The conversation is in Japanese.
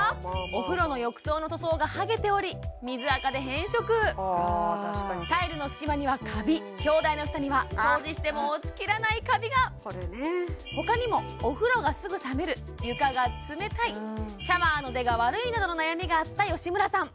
お風呂の浴槽の塗装がはげており水垢で変色タイルの隙間にはカビ鏡台の下には掃除しても落ちきらないカビが他にもお風呂がすぐ冷める床が冷たいシャワーの出が悪いなどの悩みがあった吉村さん